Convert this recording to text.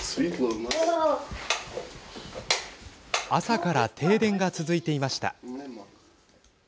朝から停電が続いていました。